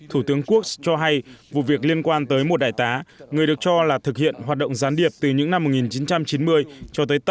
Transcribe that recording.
thủ tướng kutcher cho hay vụ việc liên quan tới một đại tá người được cho là thực hiện hoạt động gián điệp cho nga trong nhiều thập niên hiện phía áo đang yêu cầu lời giải thích từ phía nga